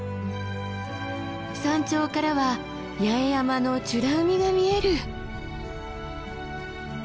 山頂からは八重山の美ら海が見える。